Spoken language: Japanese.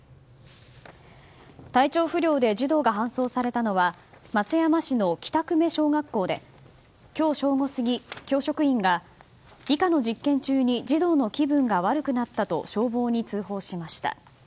体調不良で児童が搬送されたのは松山市の北久米小学校で今日正午過ぎ、教職員が理科の実験中に児童の気分が悪くなったと消防に通報しました。